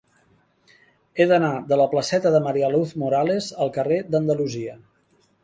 He d'anar de la placeta de María Luz Morales al carrer d'Andalusia.